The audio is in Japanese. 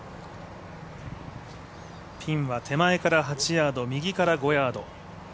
ピンは手前から８ヤード、右から５ヤード。